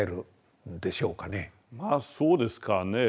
まあそうですかね。